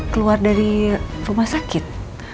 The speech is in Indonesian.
keluar dari rumah sakit